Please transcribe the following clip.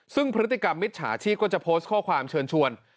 ซึ่งพฤติกรรมมิจฉาชีพก็จะโพสต์ข้อความเชิญชวน